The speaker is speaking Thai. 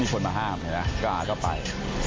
มีคนมาห้ามกล้าจะไป